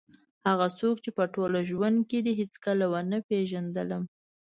هغه څوک چې په ټول ژوند کې دې هېڅکله ونه پېژندلم.